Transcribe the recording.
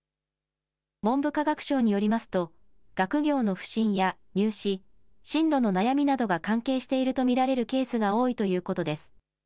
文部科学省によりますと、学業の不振や入試、進路の悩みなどが関係していると見られるケースが多いということです。